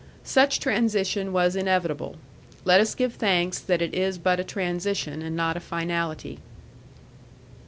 Such transition was inevitable. Let us give thanks that it is but a transition, and not a finality.